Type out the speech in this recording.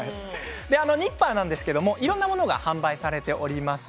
ニッパーなんですがいろんなものが販売されております。